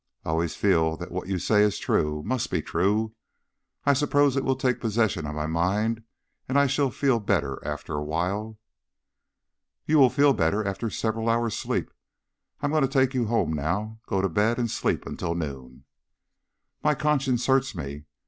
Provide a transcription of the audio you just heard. "I always feel that what you say is true must be true. I suppose it will take possession of my mind and I shall feel better after a while." "You will feel better after several hours' sleep. I am going to take you home now. Go to bed and sleep until noon." "My conscience hurts me.